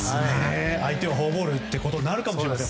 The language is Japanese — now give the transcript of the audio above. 相手はフォアボールということになるかもしれません。